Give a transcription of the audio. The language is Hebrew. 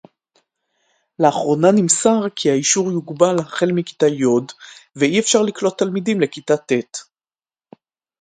לאחרונה נמסר כי האישור יוגבל החל מכיתה י' ואי-אפשר לקלוט תלמידים לכיתה ט'